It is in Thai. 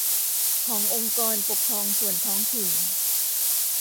ขององค์กรปกครองส่วนท้องถิ่น